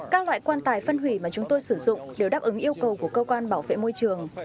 các loại quan tài phân hủy mà chúng tôi sử dụng đều đáp ứng yêu cầu của cơ quan bảo vệ môi trường